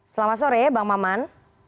selamat sore bang maman